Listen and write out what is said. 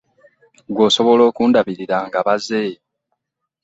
Ggwe osobola okundabirira nga baze?